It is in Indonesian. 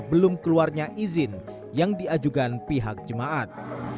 belum keluarnya izin yang diajukan pihak jemaat